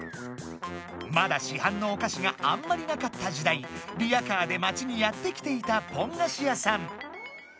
まだ市はんのお菓子があんまりなかった時代リヤカーでまちにやってきていたポン菓子屋さん。